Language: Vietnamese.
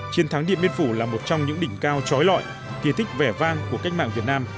chiến thắng điện biên phủ là một trong những đỉnh cao trói lọi kỳ thích vẻ vang của cách mạng việt nam